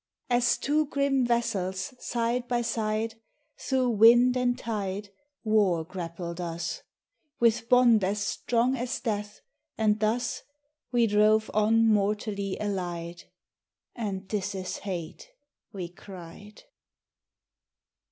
8i As two grim vessels side by side, Through wind and tide War grappled us, With bond as strong as death, and thus We drove on mortally allied : And this is hate We cried.